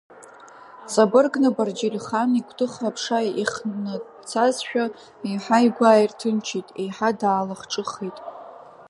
Ҵабыргны Барџьиль-хан игәҭыха аԥша ихнацазшәа, еиҳа игәы ааирҭынчит, еиҳа даалахҿыххеит.